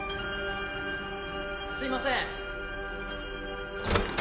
・・すいません。